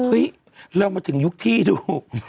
เรามาถึงยุคที่ดู